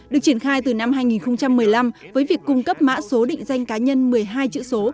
được triển khai từ năm hai nghìn một mươi năm với việc cung cấp mã số định danh cá nhân một mươi hai chữ số